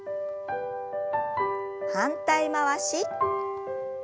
反対回し。